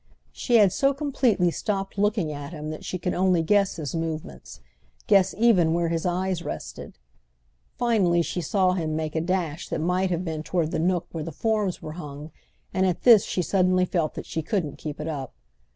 She had so completely stopped looking at him that she could only guess his movements—guess even where his eyes rested. Finally she saw him make a dash that might have been toward the nook where the forms were hung; and at this she suddenly felt that she couldn't keep it up.